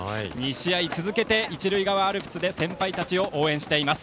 ２試合続けて一塁側アルプスで先輩たちを応援しています。